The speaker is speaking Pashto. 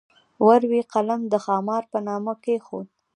ور وې قلم د خامار په نامه کېښود.